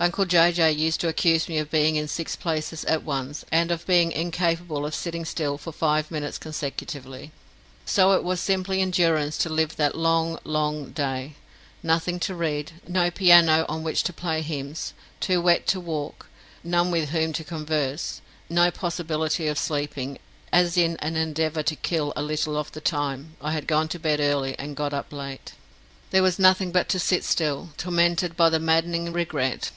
Uncle Jay Jay used to accuse me of being in six places at once, and of being incapable of sitting still for five minutes consecutively; so it was simply endurance to live that long, long day nothing to read, no piano on which to play hymns, too wet to walk, none with whom to converse, no possibility of sleeping, as in an endeavour to kill a little of the time I had gone to bed early and got up late. There was nothing but to sit still, tormented by maddening regret.